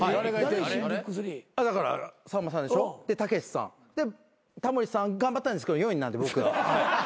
さんまさんでしょたけしさんタモリさん頑張ったんですけど４位なんで僕が。